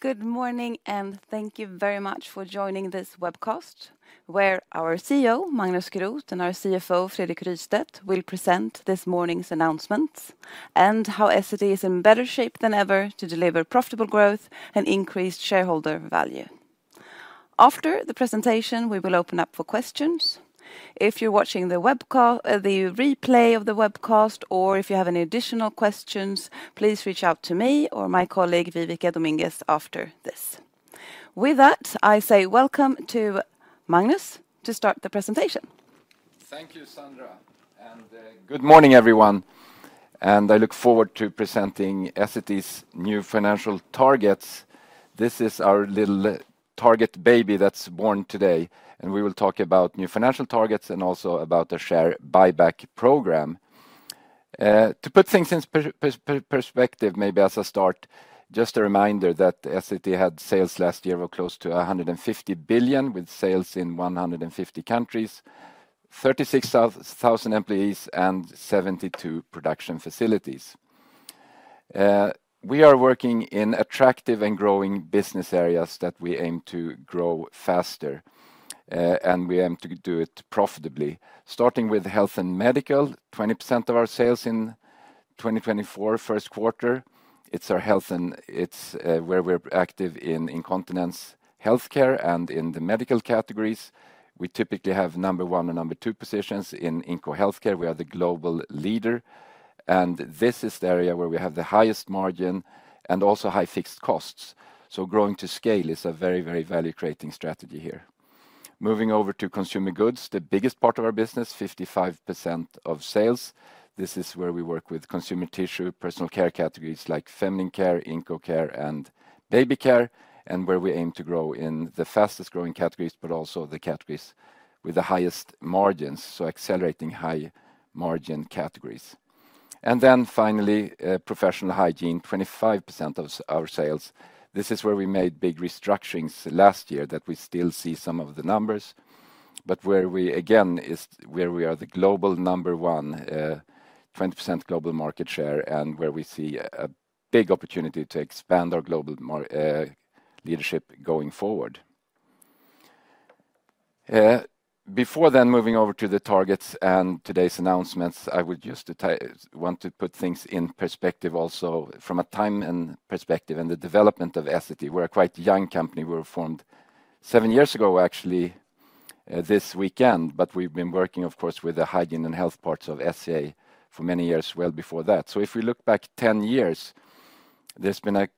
Good morning, and thank you very much for joining this webcast, where our CEO, Magnus Groth, and our CFO, Fredrik Rystedt, will present this morning's announcements and how Essity is in better shape than ever to deliver profitable growth and increased shareholder value. After the presentation, we will open up for questions. If you're watching the replay of the webcast, or if you have any additional questions, please reach out to me or my colleague, Viveca Dominguez, after this. With that, I say welcome to Magnus to start the presentation. Thank you, Sandra, and good morning, everyone. I look forward to presenting Essity's new financial targets. This is our little target baby that's born today, and we will talk about new financial targets and also about the share buyback program. To put things in perspective, maybe as a start, just a reminder that Essity had sales last year of close to 150 billion, with sales in 150 countries, 36,000 employees, and 72 production facilities. We are working in attractive and growing business areas that we aim to grow faster, and we aim to do it profitably, starting with Health & Medical: 20% of our sales in 2024 Q1. It's our health, and it's where we're active in Incontinence Health Care and in the medical categories. We typically have number one and number two positions in Incontinence Health Care. We are the global leader, and this is the area where we have the highest margin and also high fixed costs. So growing to scale is a very, very value-creating strategy here. Moving over to consumer goods, the biggest part of our business: 55% of sales. This is where we work with consumer tissue, personal care categories like feminine care, Incontinence Care, and baby care, and where we aim to grow in the fastest growing categories, but also the categories with the highest margins, so accelerating high margin categories. And then finally, professional hygiene: 25% of our sales. This is where we made big restructurings last year that we still see some of the numbers, but where we again is where we are the global number one: 20% global market share, and where we see a big opportunity to expand our global leadership going forward. Before then, moving over to the targets and today's announcements, I would just want to put things in perspective also from a time perspective and the development of Essity. We're a quite young company. We were formed 7 years ago, actually, this weekend, but we've been working, of course, with the hygiene and health parts of SA for many years, well before that. So if we look back 10 years, there's been a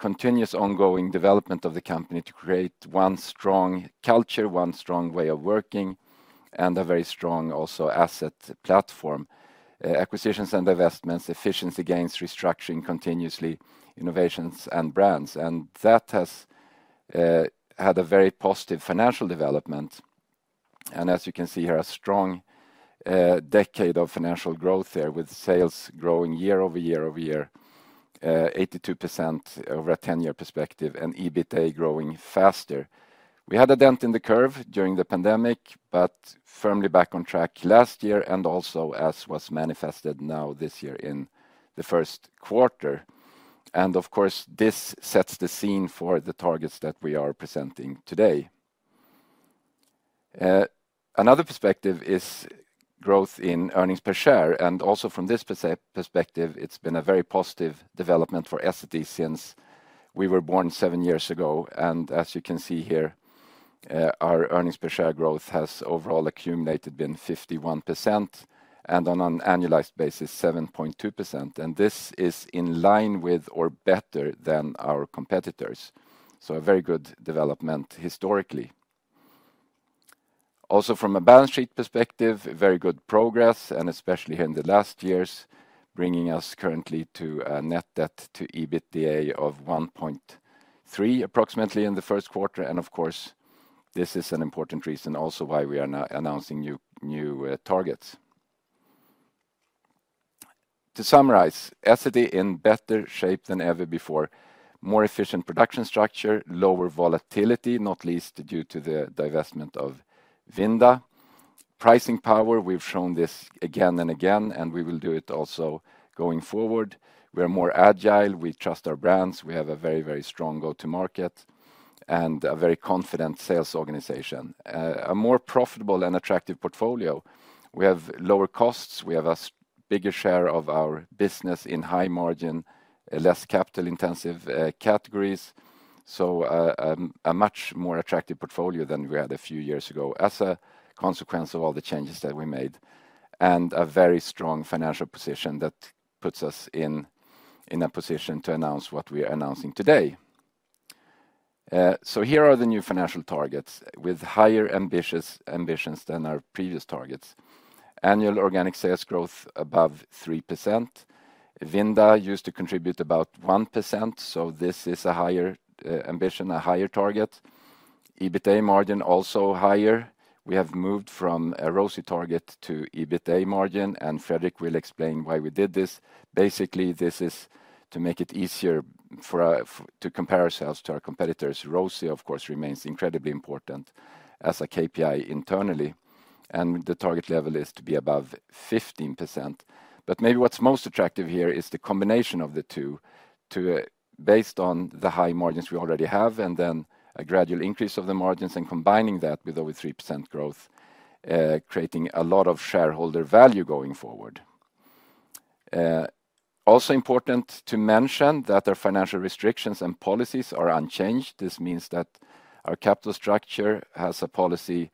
continuous ongoing development of the company to create one strong culture, one strong way of working, and a very strong also asset platform: acquisitions and investments, efficiency gains, restructuring continuously, innovations, and brands. That has had a very positive financial development. As you can see here, a strong decade of financial growth there with sales growing year-over-year, 82% over a 10-year perspective, and EBITDA growing faster. We had a dent in the curve during the pandemic, but firmly back on track last year and also as was manifested now this year in the Q1. Of course, this sets the scene for the targets that we are presenting today. Another perspective is growth in earnings per share, and also from this perspective, it's been a very positive development for Essity since we were born seven years ago. As you can see here, our earnings per share growth has overall accumulated been 51% and on an annualized basis, 7.2%. This is in line with or better than our competitors. A very good development historically. Also, from a balance sheet perspective, very good progress, and especially here in the last years, bringing us currently to a net debt to EBITDA of 1.3 approximately in the Q1. Of course, this is an important reason also why we are announcing new targets. To summarize, Essity in better shape than ever before, more efficient production structure, lower volatility, not least due to the divestment of Vinda. Pricing power, we've shown this again and again, and we will do it also going forward. We are more agile. We trust our brands. We have a very, very strong go-to-market and a very confident sales organization. A more profitable and attractive portfolio. We have lower costs. We have a bigger share of our business in high margin, less capital-intensive categories. So a much more attractive portfolio than we had a few years ago as a consequence of all the changes that we made, and a very strong financial position that puts us in a position to announce what we are announcing today. So here are the new financial targets with higher ambitions than our previous targets: annual organic sales growth above 3%. Vinda used to contribute about 1%, so this is a higher ambition, a higher target. EBITDA margin also higher. We have moved from a ROCE target to EBITDA margin, and Fredrik will explain why we did this. Basically, this is to make it easier to compare ourselves to our competitors. ROCE, of course, remains incredibly important as a KPI internally, and the target level is to be above 15%. But maybe what's most attractive here is the combination of the two based on the high margins we already have and then a gradual increase of the margins and combining that with over 3% growth, creating a lot of shareholder value going forward. Also important to mention that our financial restrictions and policies are unchanged. This means that our capital structure has a policy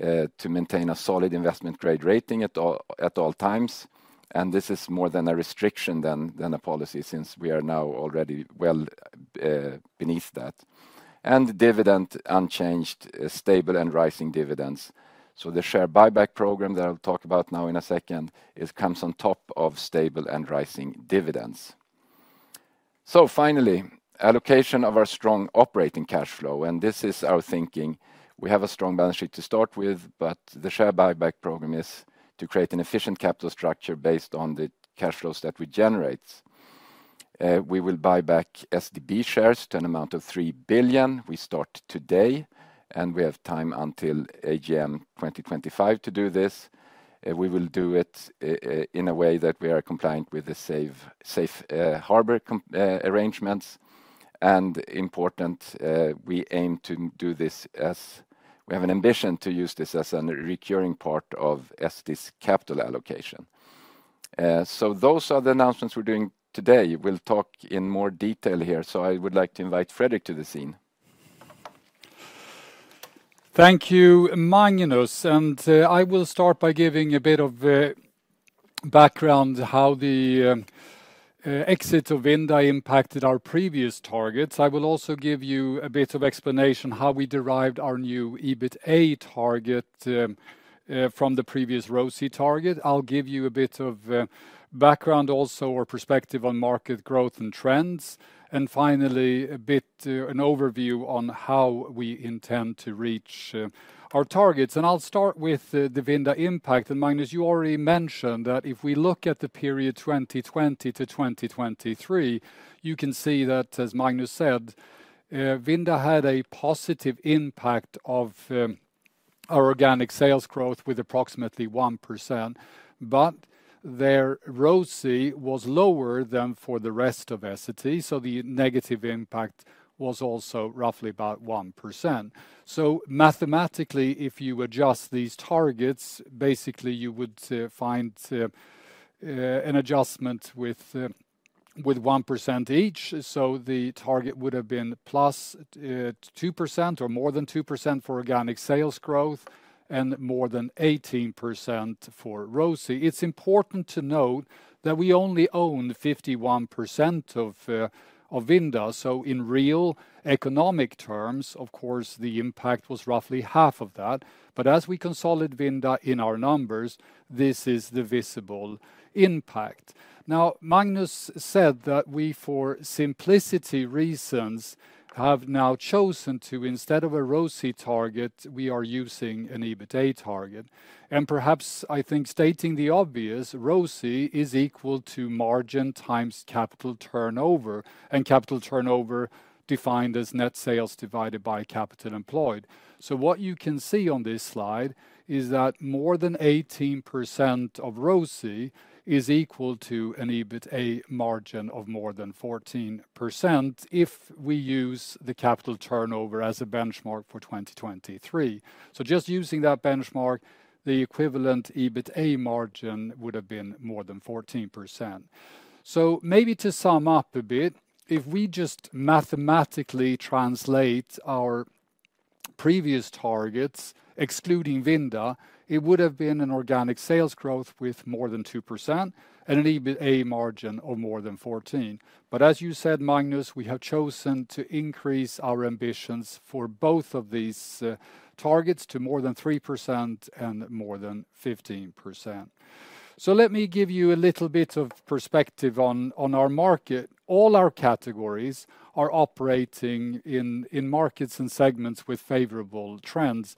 to maintain a solid investment grade rating at all times, and this is more of a restriction than a policy since we are now already well beneath that. Dividend unchanged, stable, and rising dividends. The share buyback program that I'll talk about now in a second comes on top of stable and rising dividends. Finally, allocation of our strong operating cash flow, and this is our thinking. We have a strong balance sheet to start with, but the share buyback program is to create an efficient capital structure based on the cash flows that we generate. We will buy back Essity B shares to an amount of 3 billion. We start today, and we have time until AGM 2025 to do this. We will do it in a way that we are compliant with the Safe Harbor arrangements. Important, we aim to do this as we have an ambition to use this as a recurring part of Essity's capital allocation. Those are the announcements we're doing today. We'll talk in more detail here, so I would like to invite Fredrik to the scene. Thank you, Magnus, and I will start by giving a bit of background how the exit of Vinda impacted our previous targets. I will also give you a bit of explanation how we derived our new EBITA target from the previous ROCE target. I'll give you a bit of background also or perspective on market growth and trends, and finally a bit of an overview on how we intend to reach our targets. I'll start with the Vinda impact. Magnus, you already mentioned that if we look at the period 2020 to 2023, you can see that, as Magnus said, Vinda had a positive impact on our organic sales growth with approximately 1%, but their ROCE was lower than for the rest of Essity. The negative impact was also roughly about 1%. So mathematically, if you adjust these targets, basically you would find an adjustment with 1% each. So the target would have been +2% or more than 2% for organic sales growth and more than 18% for ROCE. It's important to note that we only own 51% of Vinda. So in real economic terms, of course, the impact was roughly half of that. But as we consolidate Vinda in our numbers, this is the visible impact. Now, Magnus said that we, for simplicity reasons, have now chosen to, instead of a ROCE target, we are using an EBITA target. And perhaps I think stating the obvious, ROCE is equal to margin times capital turnover, and capital turnover defined as net sales divided by capital employed. So what you can see on this slide is that more than 18% of ROCE is equal to an EBITA margin of more than 14% if we use the capital turnover as a benchmark for 2023. So just using that benchmark, the equivalent EBITA margin would have been more than 14%. So maybe to sum up a bit, if we just mathematically translate our previous targets, excluding Vinda, it would have been an organic sales growth with more than 2% and an EBITA margin of more than 14%. But as you said, Magnus, we have chosen to increase our ambitions for both of these targets to more than 3% and more than 15%. So let me give you a little bit of perspective on our market. All our categories are operating in markets and segments with favorable trends.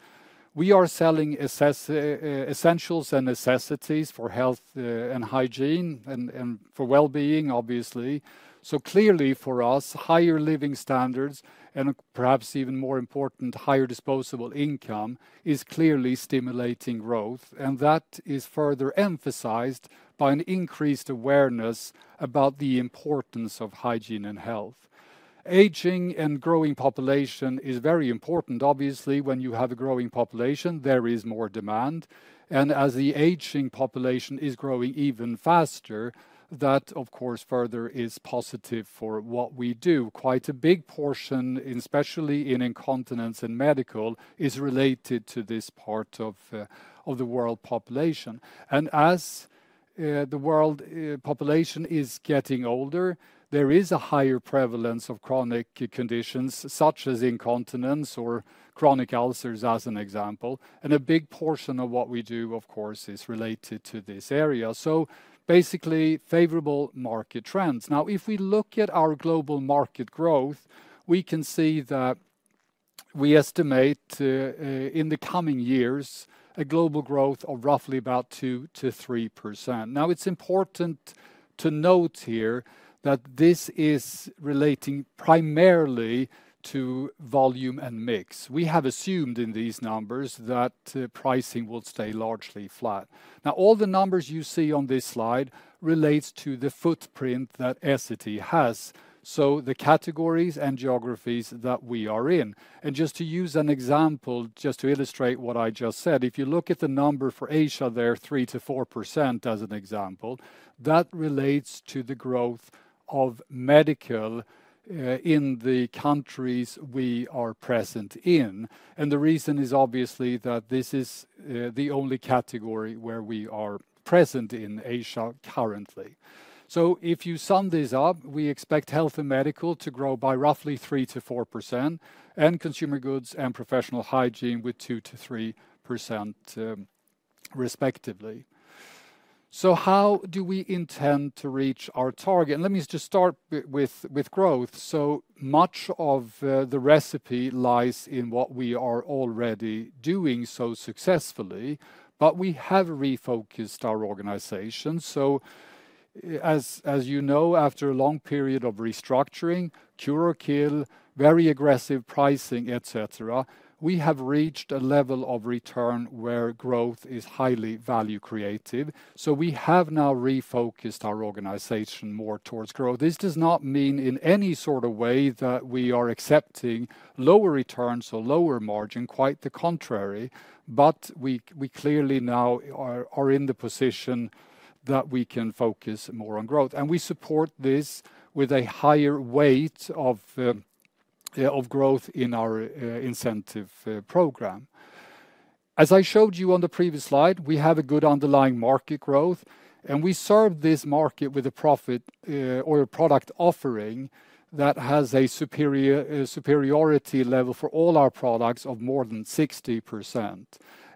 We are selling essentials and necessities for health and hygiene and for well-being, obviously. So clearly for us, higher living standards and perhaps even more important higher disposable income is clearly stimulating growth, and that is further emphasized by an increased awareness about the importance of hygiene and health. Aging and growing population is very important. Obviously, when you have a growing population, there is more demand, and as the aging population is growing even faster, that, of course, further is positive for what we do. Quite a big portion, especially in incontinence and medical, is related to this part of the world population. And as the world population is getting older, there is a higher prevalence of chronic conditions such as incontinence or chronic ulcers as an example. And a big portion of what we do, of course, is related to this area. So basically, favorable market trends. Now, if we look at our global market growth, we can see that we estimate in the coming years a global growth of roughly about 2%-3%. Now, it's important to note here that this is relating primarily to volume and mix. We have assumed in these numbers that pricing will stay largely flat. Now, all the numbers you see on this slide relate to the footprint that Essity has, so the categories and geographies that we are in. Just to use an example, just to illustrate what I just said, if you look at the number for Asia, there are 3%-4% as an example. That relates to the growth of medical in the countries we are present in. The reason is obviously that this is the only category where we are present in Asia currently. So if you sum this up, we expect health and medical to grow by roughly 3%-4%, and consumer goods and professional hygiene with 2%-3% respectively. So how do we intend to reach our target? And let me just start with growth. So much of the recipe lies in what we are already doing so successfully, but we have refocused our organization. So as you know, after a long period of restructuring, cure or kill, very aggressive pricing, etc., we have reached a level of return where growth is highly value-creative. So we have now refocused our organization more towards growth. This does not mean in any sort of way that we are accepting lower returns or lower margin, quite the contrary, but we clearly now are in the position that we can focus more on growth. We support this with a higher weight of growth in our incentive program. As I showed you on the previous slide, we have a good underlying market growth, and we serve this market with a profit or a product offering that has a superiority level for all our products of more than 60%.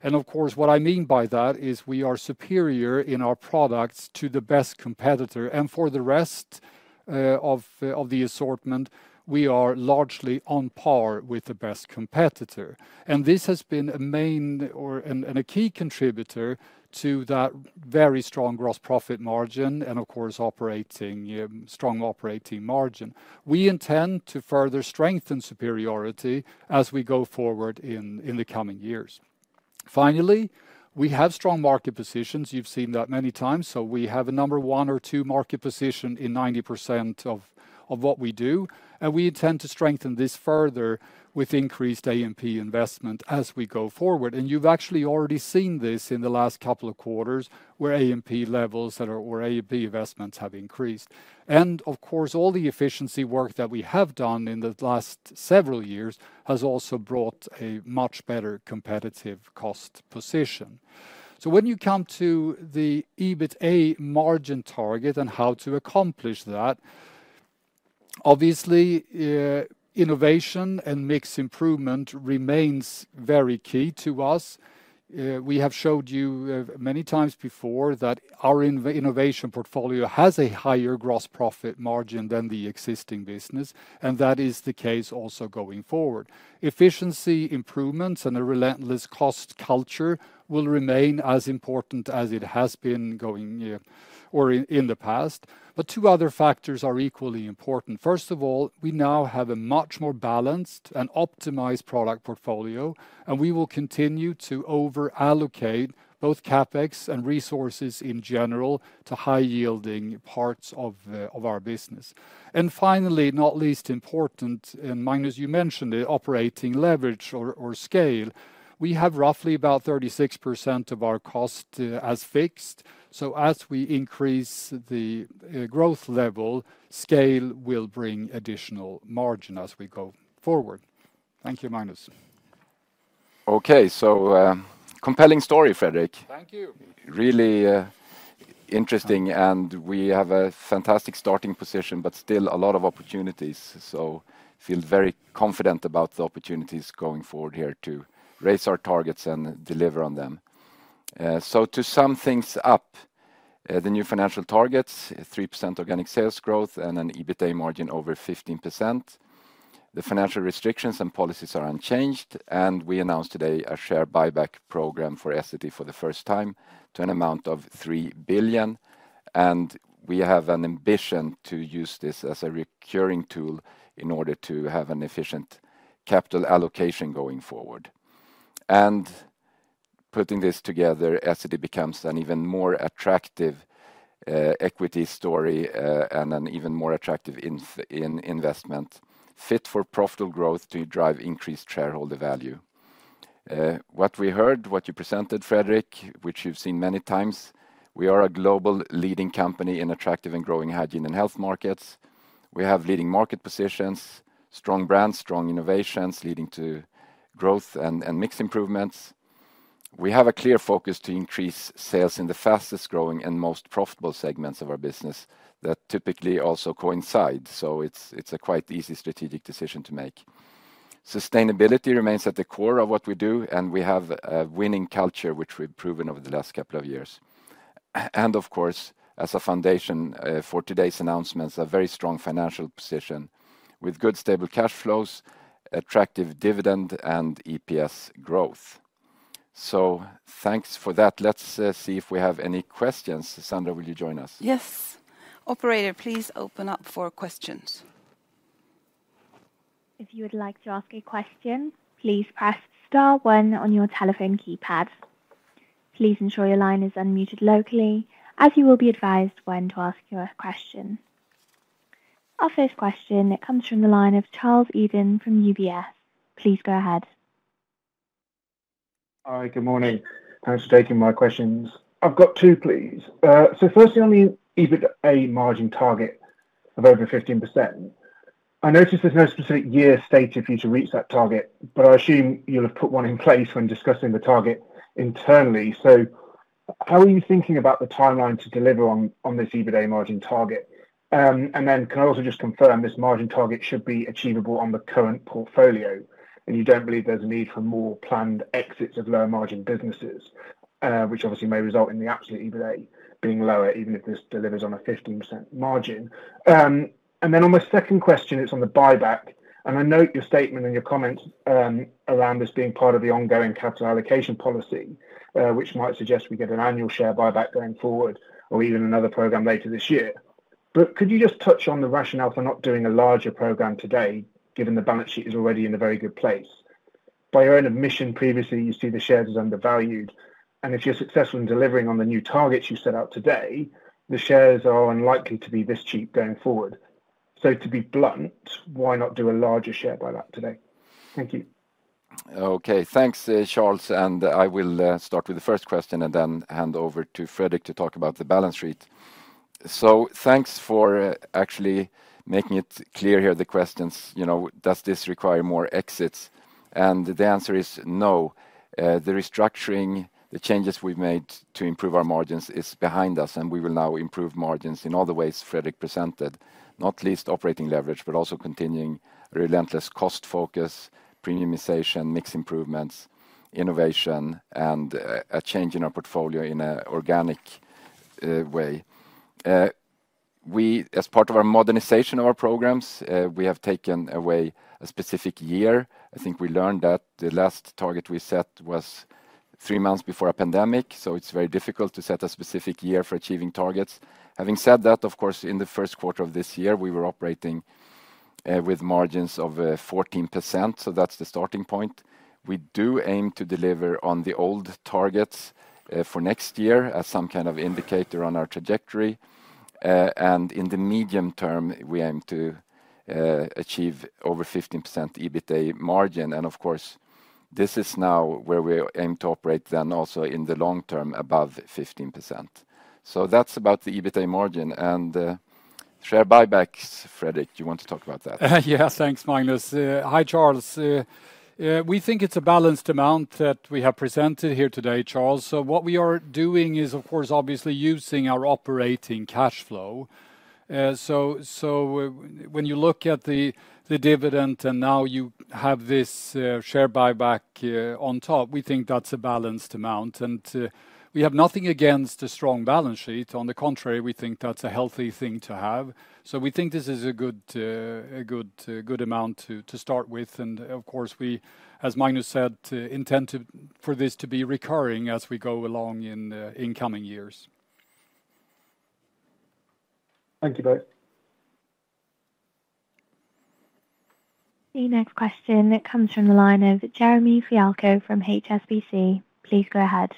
Of course, what I mean by that is we are superior in our products to the best competitor. For the rest of the assortment, we are largely on par with the best competitor. This has been a main and a key contributor to that very strong gross profit margin and, of course, strong operating margin. We intend to further strengthen superiority as we go forward in the coming years. Finally, we have strong market positions. You've seen that many times. So we have a 1 or 2 market position in 90% of what we do, and we intend to strengthen this further with increased A&P investment as we go forward. You've actually already seen this in the last couple of quarters where A&P levels or A&P investments have increased. Of course, all the efficiency work that we have done in the last several years has also brought a much better competitive cost position. When you come to the EBITA margin target and how to accomplish that, obviously innovation and mixed improvement remains very key to us. We have showed you many times before that our innovation portfolio has a higher gross profit margin than the existing business, and that is the case also going forward. Efficiency improvements and a relentless cost culture will remain as important as it has been going or in the past. Two other factors are equally important. First of all, we now have a much more balanced and optimized product portfolio, and we will continue to over-allocate both CapEx and resources in general to high-yielding parts of our business. Finally, not least important, and Magnus, you mentioned it, operating leverage or scale. We have roughly about 36% of our cost as fixed. So as we increase the growth level, scale will bring additional margin as we go forward. Thank you, Magnus. Okay, so compelling story, Fredrik. Thank you. Really interesting, and we have a fantastic starting position, but still a lot of opportunities. I feel very confident about the opportunities going forward here to raise our targets and deliver on them. To sum things up, the new financial targets, 3% organic sales growth and an EBITA margin over 15%. The financial restrictions and policies are unchanged, and we announced today a share buyback program for Essity for the first time to an amount of 3 billion. We have an ambition to use this as a recurring tool in order to have an efficient capital allocation going forward. Putting this together, Essity becomes an even more attractive equity story and an even more attractive investment fit for profitable growth to drive increased shareholder value. What we heard, what you presented, Fredrik, which you've seen many times, we are a global leading company in attractive and growing hygiene and health markets. We have leading market positions, strong brands, strong innovations leading to growth and mixed improvements. We have a clear focus to increase sales in the fastest growing and most profitable segments of our business that typically also coincide. So it's a quite easy strategic decision to make. Sustainability remains at the core of what we do, and we have a winning culture, which we've proven over the last couple of years. And of course, as a foundation for today's announcements, a very strong financial position with good stable cash flows, attractive dividend and EPS growth. So thanks for that. Let's see if we have any questions. Sandra, will you join us? Yes. Operator, please open up for questions. If you would like to ask a question, please press star one on your telephone keypad. Please ensure your line is unmuted locally, as you will be advised when to ask your question. Our first question, it comes from the line of Charles Eden from UBS. Please go ahead. Hi, good morning. Thanks for taking my questions. I've got two, please. So firstly, on the EBITA margin target of over 15%, I noticed there's no specific year stated for you to reach that target, but I assume you'll have put one in place when discussing the target internally. So how are you thinking about the timeline to deliver on this EBITA margin target? And then can I also just confirm this margin target should be achievable on the current portfolio, and you don't believe there's a need for more planned exits of low margin businesses, which obviously may result in the absolute EBITA being lower, even if this delivers on a 15% margin. Then on my second question, it's on the buyback, and I note your statement and your comments around this being part of the ongoing capital allocation policy, which might suggest we get an annual share buyback going forward or even another program later this year. But could you just touch on the rationale for not doing a larger program today, given the balance sheet is already in a very good place? By your own admission previously, you see the shares as undervalued, and if you're successful in delivering on the new targets you set out today, the shares are unlikely to be this cheap going forward. So to be blunt, why not do a larger share buyback today? Thank you. Okay, thanks, Charles, and I will start with the first question and then hand over to Fredrik to talk about the balance sheet. So, thanks for actually making it clear here, the questions: does this require more exits? And the answer is no. The restructuring, the changes we've made to improve our margins is behind us, and we will now improve margins in all the ways Fredrik presented, not least operating leverage, but also continuing relentless cost focus, premiumization, mixed improvements, innovation, and a change in our portfolio in an organic way. As part of our modernization of our programs, we have taken away a specific year. I think we learned that the last target we set was three months before a pandemic, so it's very difficult to set a specific year for achieving targets. Having said that, of course, in the Q1 of this year, we were operating with margins of 14%, so that's the starting point. We do aim to deliver on the old targets for next year as some kind of indicator on our trajectory. And in the medium term, we aim to achieve over 15% EBITA margin. And of course, this is now where we aim to operate then also in the long term above 15%. So that's about the EBITA margin. And share buybacks, Fredrik, you want to talk about that? Yes, thanks, Magnus. Hi, Charles. We think it's a balanced amount that we have presented here today, Charles. So what we are doing is, of course, obviously using our operating cash flow. So when you look at the dividend and now you have this share buyback on top, we think that's a balanced amount. And we have nothing against a strong balance sheet. On the contrary, we think that's a healthy thing to have. So we think this is a good amount to start with. And of course, we, as Magnus said, intend for this to be recurring as we go along in coming years. Thank you both. The next question comes from the line of Jeremy Fialko from HSBC. Please go ahead.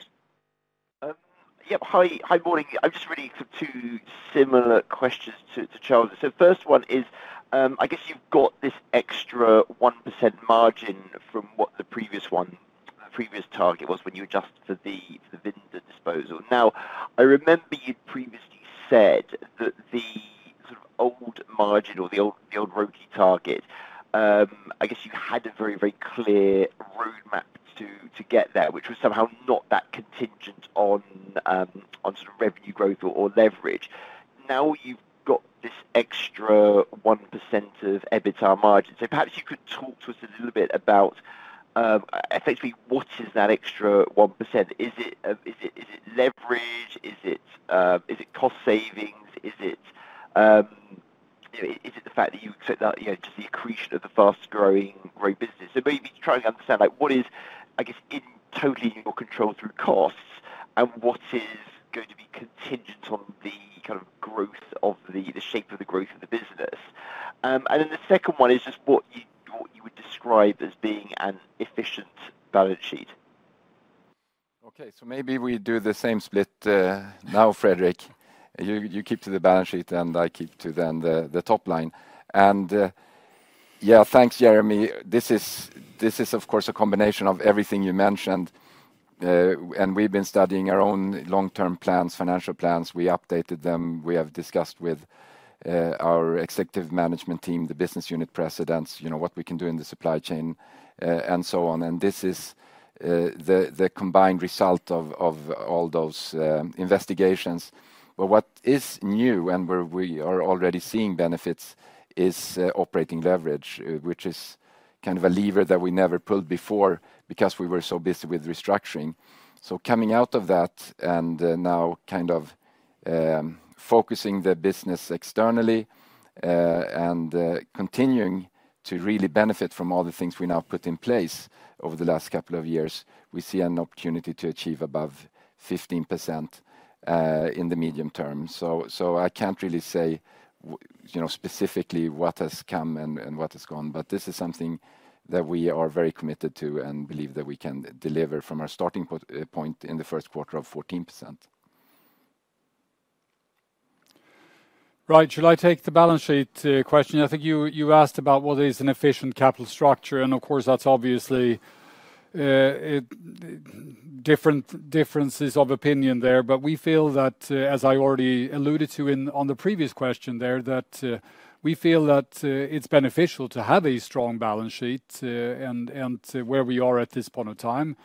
Yep, hi, morning. I'm just ready for two similar questions to Charles. So first one is, I guess you've got this extra 1% margin from what the previous target was when you adjusted for the Vinda disposal. Now, I remember you previously said that the old margin or the old ROCE target, I guess you had a very, very clear roadmap to get there, which was somehow not that contingent on revenue growth or leverage. Now you've got this extra 1% of EBITA margin. So perhaps you could talk to us a little bit about effectively what is that extra 1%? Is it leverage? Is it cost savings? Is it the fact that you accept just the accretion of the fast-growing business? Maybe trying to understand what is, I guess, totally in your control through costs and what is going to be contingent on the kind of growth of the shape of the growth of the business. And then the second one is just what you would describe as being an efficient balance sheet. Okay, so maybe we do the same split now, Fredrik. You keep to the balance sheet and I keep to then the top line. And yeah, thanks, Jeremy. This is, of course, a combination of everything you mentioned, and we've been studying our own long-term plans, financial plans. We updated them. We have discussed with our executive management team, the business unit presidents, what we can do in the supply chain and so on. This is the combined result of all those investigations. But what is new and where we are already seeing benefits is operating leverage, which is kind of a lever that we never pulled before because we were so busy with restructuring. Coming out of that and now kind of focusing the business externally and continuing to really benefit from all the things we now put in place over the last couple of years, we see an opportunity to achieve above 15% in the medium term. I can't really say specifically what has come and what has gone, but this is something that we are very committed to and believe that we can deliver from our starting point in the Q1 of 14%. Right, should I take the balance sheet question? I think you asked about what is an efficient capital structure, and of course, that's obviously differences of opinion there. But we feel that, as I already alluded to on the previous question there, that we feel that it's beneficial to have a strong balance sheet and where we are at this point of time.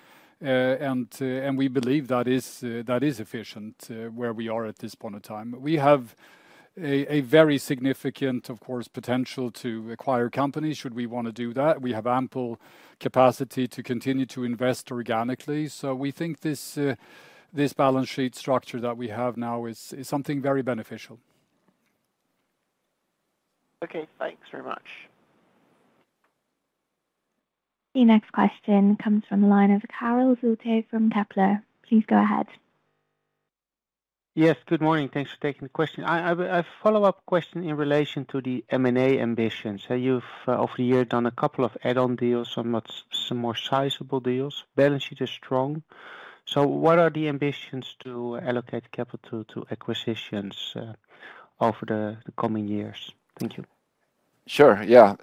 We believe that is efficient where we are at this point of time. We have a very significant, of course, potential to acquire companies should we want to do that. We have ample capacity to continue to invest organically. We think this balance sheet structure that we have now is something very beneficial. Okay, thanks very much. The next question comes from the line of Karel Zoete from Kepler. Please go ahead. Yes, good morning. Thanks for taking the question. A follow-up question in relation to the M&A ambitions. You've, over the years, done a couple of add-on deals, some more sizable deals. Balance sheet is strong. So what are the ambitions to allocate capital to acquisitions over the coming years? Thank you. Sure, yeah.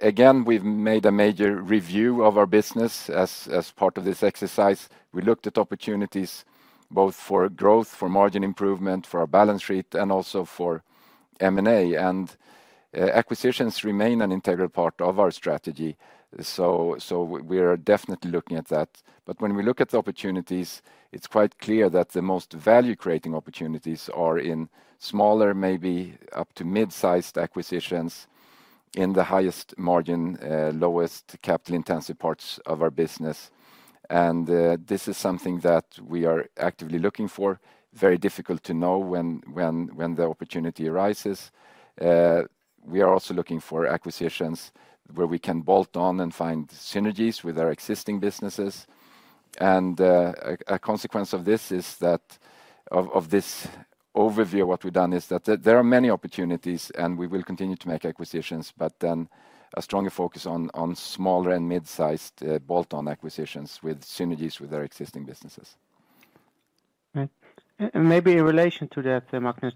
Again, we've made a major review of our business as part of this exercise. We looked at opportunities both for growth, for margin improvement, for our balance sheet, and also for M&A. Acquisitions remain an integral part of our strategy. We are definitely looking at that. When we look at the opportunities, it's quite clear that the most value-creating opportunities are in smaller, maybe up to mid-sized acquisitions in the highest margin, lowest capital-intensive parts of our business. This is something that we are actively looking for. Very difficult to know when the opportunity arises. We are also looking for acquisitions where we can bolt on and find synergies with our existing businesses. A consequence of this is that of this overview, what we've done is that there are many opportunities, and we will continue to make acquisitions, but then a stronger focus on smaller and mid-sized bolt-on acquisitions with synergies with our existing businesses. Maybe in relation to that, Magnus,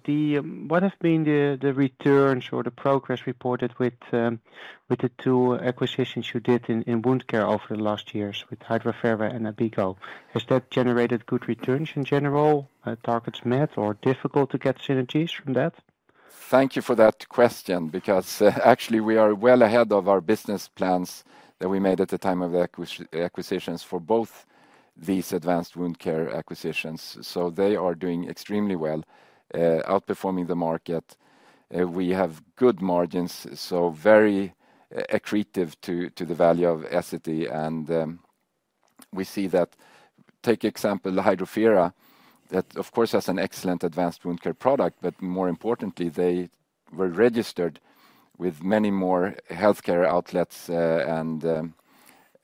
what have been the returns or the progress reported with the two acquisitions you did in wound care over the last years with Hydrofera and ABIGO? Has that generated good returns in general, targets met, or difficult to get synergies from that? Thank you for that question because actually we are well ahead of our business plans that we made at the time of the acquisitions for both these advanced wound care acquisitions. So they are doing extremely well, outperforming the market. We have good margins, so very accretive to the value of Essity. And we see that, take example, Hydrofera, that of course has an excellent advanced wound care product, but more importantly, they were registered with many more healthcare outlets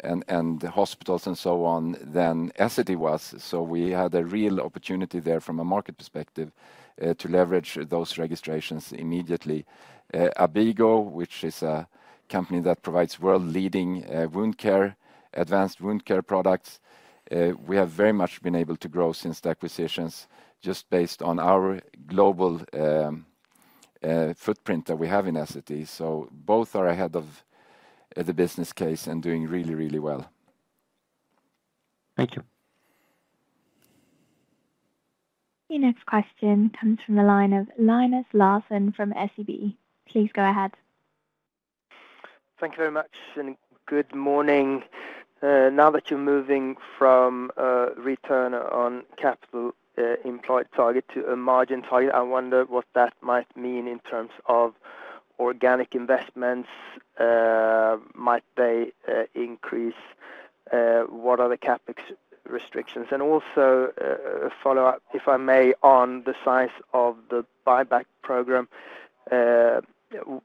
and hospitals and so on than Essity was. So we had a real opportunity there from a market perspective to leverage those registrations immediately. ABIGO, which is a company that provides world-leading advanced wound care products, we have very much been able to grow since the acquisitions just based on our global footprint that we have in Essity. Both are ahead of the business case and doing really, really well. Thank you. The next question comes from the line of Linus Larsson from SEB. Please go ahead. Thank you very much and good morning. Now that you're moving from a return on capital implied target to a margin target, I wonder what that might mean in terms of organic investments. Might they increase? What are the CapEx restrictions? And also a follow-up, if I may, on the size of the buyback program.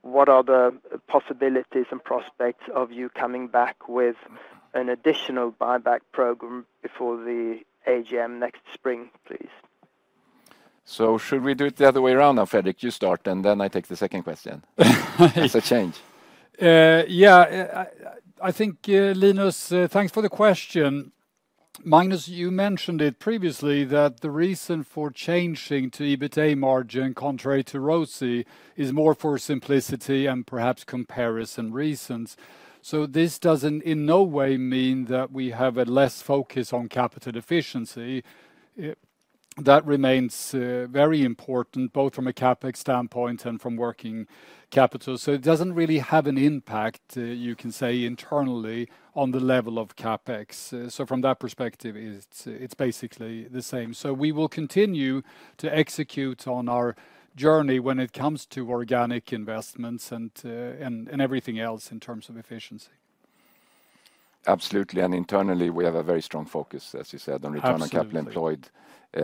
What are the possibilities and prospects of you coming back with an additional buyback program before the AGM next spring, please? Should we do it the other way around now, Fredrik? You start and then I take the second question. It's a change. Yeah, I think, Linus, thanks for the question. Magnus, you mentioned it previously that the reason for changing to EBITA margin contrary to ROCE is more for simplicity and perhaps comparison reasons. So this doesn't in no way mean that we have a less focus on capital efficiency. That remains very important both from a CapEx standpoint and from working capital. So it doesn't really have an impact, you can say, internally on the level of CapEx. So from that perspective, it's basically the same. So we will continue to execute on our journey when it comes to organic investments and everything else in terms of efficiency. Absolutely. Internally, we have a very strong focus, as you said, on return on capital employed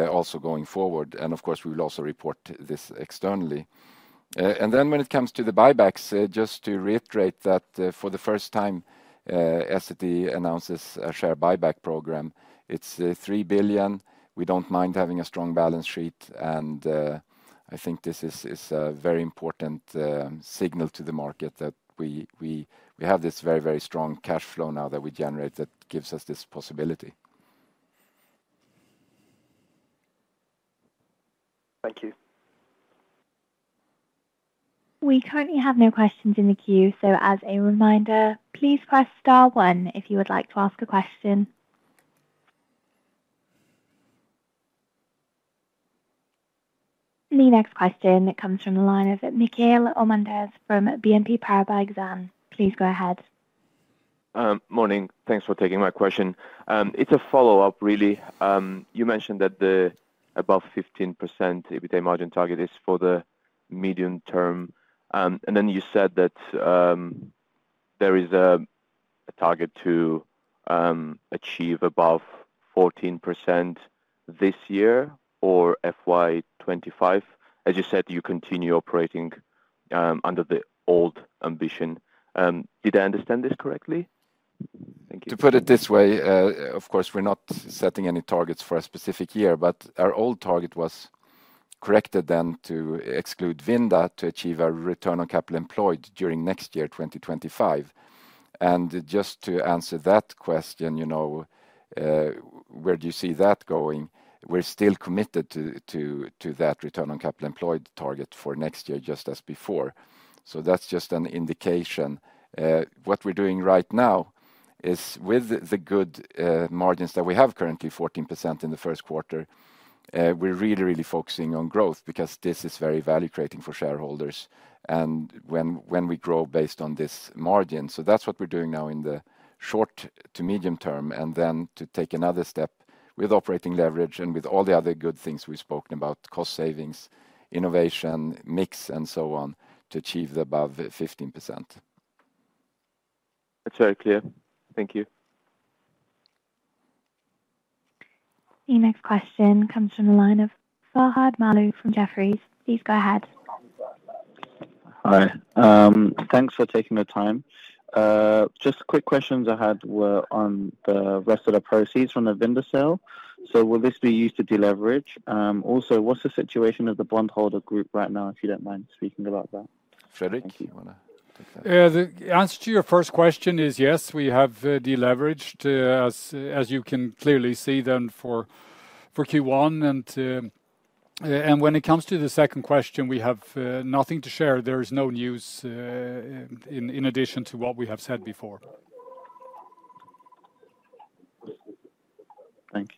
also going forward. Of course, we will also report this externally. Then when it comes to the buybacks, just to reiterate that for the first time, Essity announces a share buyback program. It's 3 billion. We don't mind having a strong balance sheet. And I think this is a very important signal to the market that we have this very, very strong cash flow now that we generate that gives us this possibility. Thank you. We currently have no questions in the queue. So as a reminder, please press star one if you would like to ask a question. The next question comes from the line of Mikhail Zverev from BNP Paribas Exane. Please go ahead. Morning. Thanks for taking my question. It's a follow-up, really. You mentioned that the above 15% EBITA margin target is for the medium term. And then you said that there is a target to achieve above 14% this year or FY25. As you said, you continue operating under the old ambition. Did I understand this correctly? Thank you. To put it this way, of course, we're not setting any targets for a specific year, but our old target was corrected then to exclude Vinda to achieve our return on capital employed during next year, 2025. And just to answer that question, where do you see that going? We're still committed to that return on capital employed target for next year, just as before. So that's just an indication. What we're doing right now is with the good margins that we have currently, 14% in the Q1, we're really, really focusing on growth because this is very value-creating for shareholders. And when we grow based on this margin, so that's what we're doing now in the short to medium term. And then to take another step with operating leverage and with all the other good things we've spoken about, cost savings, innovation, mix, and so on to achieve the above 15%. That's very clear. Thank you. The next question comes from the line of Fahad Maloo from Jefferies. Please go ahead. Hi. Thanks for taking the time. Just quick questions I had were on the rest of the proceeds from the Vinda sale. So will this be used to deleverage? Also, what's the situation of the bondholder group right now, if you don't mind speaking about that? Fredrik, do you want to take that? The answer to your first question is yes, we have deleveraged, as you can clearly see then for Q1. When it comes to the second question, we have nothing to share. There is no news in addition to what we have said before. Thank you.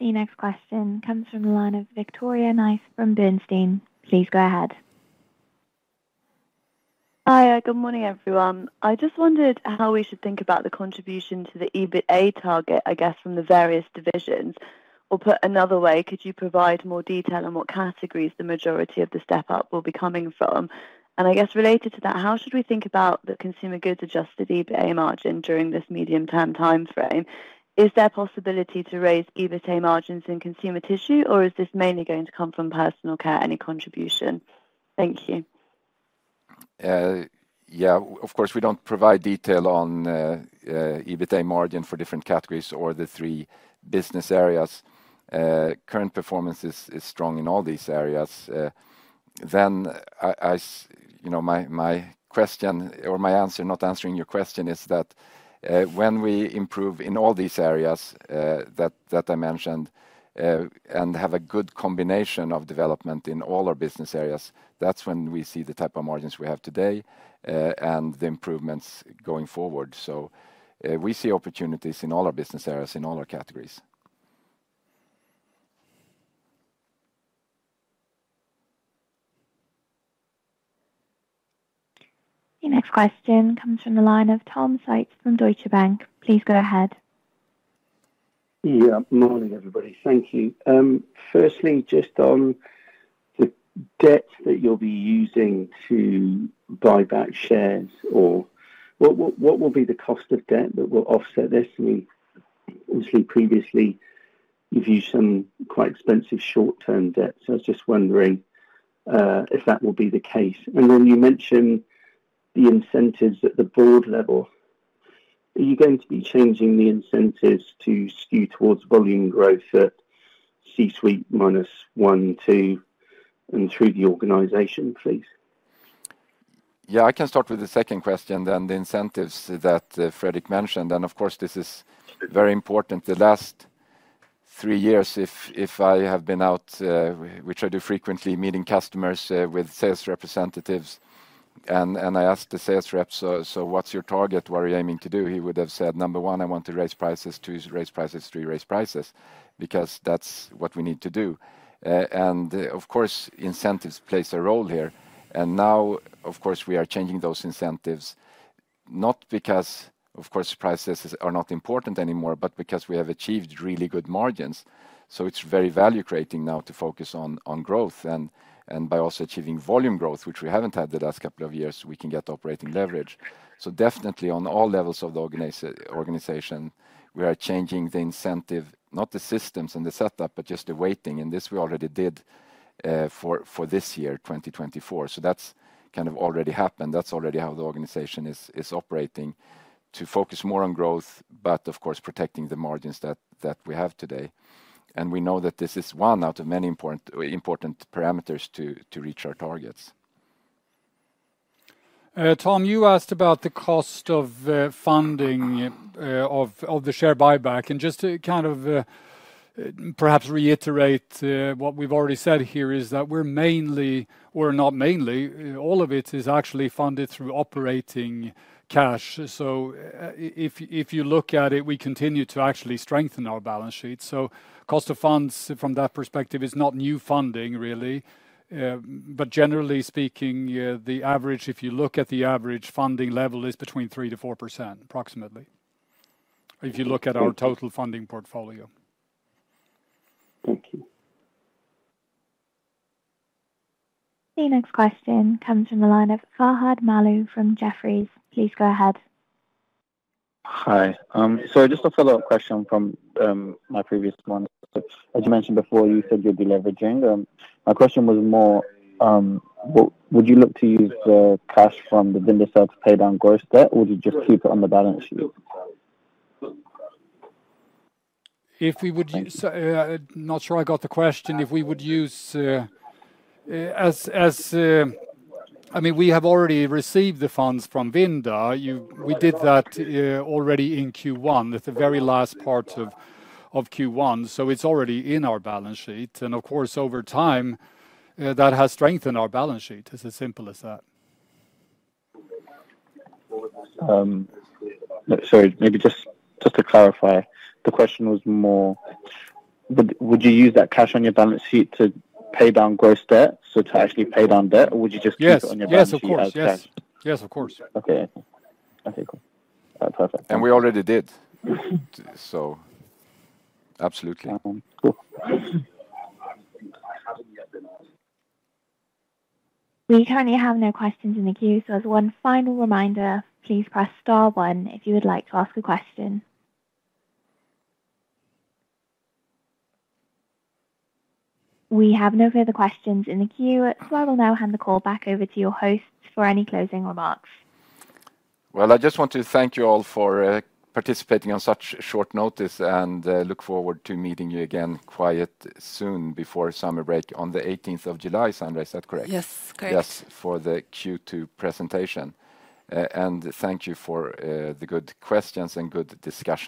The next question comes from the line of Victoria Knight from Bernstein. Please go ahead. Hi, good morning, everyone. I just wondered how we should think about the contribution to the EBITA target, I guess, from the various divisions. Or put another way, could you provide more detail on what categories the majority of the step-up will be coming from? And I guess related to that, how should we think about the consumer goods adjusted EBITA margin during this medium-term timeframe? Is there a possibility to raise EBITA margins in consumer tissue, or is this mainly going to come from personal care and contribution? Thank you. Yeah, of course, we don't provide detail on EBITA margin for different categories or the three business areas. Current performance is strong in all these areas. Then my question or my answer, not answering your question, is that when we improve in all these areas that I mentioned and have a good combination of development in all our business areas, that's when we see the type of margins we have today and the improvements going forward. So we see opportunities in all our business areas, in all our categories. The next question comes from the line of Tom Sykes from Deutsche Bank. Please go ahead. Yeah, morning, everybody. Thank you. Firstly, just on the debt that you'll be using to buy back shares, what will be the cost of debt that will offset this? Obviously, previously, you've used some quite expensive short-term debt. So I was just wondering if that will be the case. And then you mentioned the incentives at the board level. Are you going to be changing the incentives to skew towards volume growth at C-suite minus one, two, and through the organization, please? Yeah, I can start with the second question, then the incentives that Fredrik mentioned. And of course, this is very important. The last three years, if I have been out, which I do frequently, meeting customers with sales representatives, and I asked the sales reps, "So what's your target? What are you aiming to do?" He would have said, "Number one, I want to raise prices, two, raise prices, three, raise prices," because that's what we need to do. And of course, incentives play a role here. And now, of course, we are changing those incentives, not because, of course, prices are not important anymore, but because we have achieved really good margins. So it's very value-creating now to focus on growth. And by also achieving volume growth, which we haven't had the last couple of years, we can get operating leverage. So definitely, on all levels of the organization, we are changing the incentive, not the systems and the setup, but just the weighting. And this we already did for this year, 2024. So that's kind of already happened. That's already how the organization is operating, to focus more on growth, but of course, protecting the margins that we have today. And we know that this is one out of many important parameters to reach our targets. Tom, you asked about the cost of funding of the share buyback. Just to kind of perhaps reiterate what we've already said here is that we're mainly, or not mainly, all of it is actually funded through operating cash. If you look at it, we continue to actually strengthen our balance sheet. Cost of funds from that perspective is not new funding, really. But generally speaking, the average, if you look at the average funding level, is between 3%-4%, approximately, if you look at our total funding portfolio. Thank you. The next question comes from the line of Fahad Maloo from Jefferies. Please go ahead. Hi. Sorry, just a follow-up question from my previous one. As you mentioned before, you said you're deleveraging. My question was more, would you look to use the cash from the Vinda sales pay down gross debt, or would you just keep it on the balance sheet? If we would, not sure I got the question, if we would use, I mean, we have already received the funds from Vinda. We did that already in Q1, at the very last part of Q1. So it's already in our balance sheet. And of course, over time, that has strengthened our balance sheet. It's as simple as that. Sorry, maybe just to clarify, the question was more, would you use that cash on your balance sheet to pay down growth debt, so to actually pay down debt, or would you just keep it on your balance sheet as well? Yes, of course. Yes, of course. Okay. Okay, cool. That's perfect. And we already did. So absolutely. We currently have no questions in the queue. So as one final reminder, please press star one if you would like to ask a question. We have no further questions in the queue. So I will now hand the call back over to your hosts for any closing remarks. Well, I just want to thank you all for participating on such short notice and look forward to meeting you again quite soon before summer break on the 18th of July, Sandra. Is that correct? Yes, correct. Yes, for the Q2 presentation. Thank you for the good questions and good discussion.